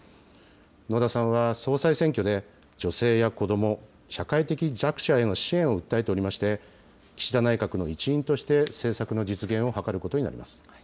野田さんは総裁選挙で、女性や子ども、社会的弱者への支援を訴えておりまして、岸田内閣の一員として、政策の実現を図ることになります。